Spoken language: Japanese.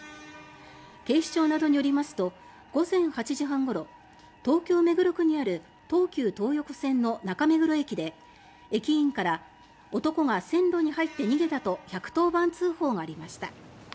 警視庁などによりますと午前８時半ごろ東京・目黒区にある東急東横線の中目黒駅で駅員から男が線路に入って逃げたと１１０番通報がありました。